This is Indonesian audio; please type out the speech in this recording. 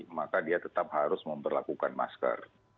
maka dia tetap harus memperlakukan masker